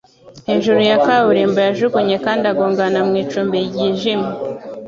Hejuru ya kaburimbo yajugunye kandi agongana mu icumbi ryijimye,